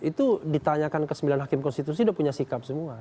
itu ditanyakan ke sembilan hakim konstitusi sudah punya sikap semua